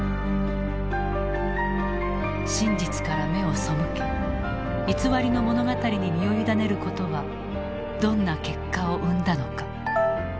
真実から目を背け偽りの物語に身を委ねることはどんな結果を生んだのか。